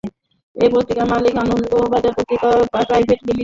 এই পত্রিকার মালিক আনন্দবাজার পত্রিকা প্রাইভেট লিমিটেড।